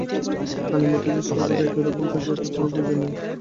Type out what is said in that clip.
কালীমূর্তি যে সর্বদা একই রকম থাকবে, তার কোন প্রয়োজন নেই।